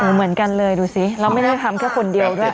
เหมือนกันเลยดูสิเราไม่ได้ทำแค่คนเดียวด้วย